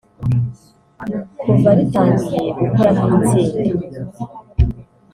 Kuva ritangiye gukora nk’itsinda